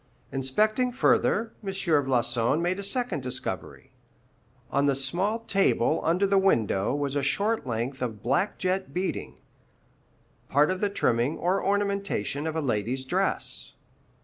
Inspecting further, M. Floçon made a second discovery. On the small table under the window was a short length of black jet beading, part of the trimming or ornamentation of a lady's dress.